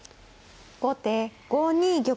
後手５二玉。